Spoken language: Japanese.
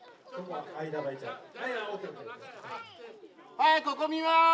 はいここ見ます！